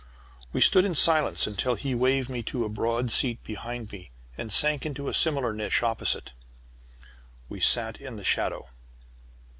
We stood in silence until he waved me to a broad seat behind me, and sank into a similar niche opposite. We sat in the shadow.